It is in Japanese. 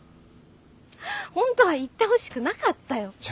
本当は行ってほしくなかったよ。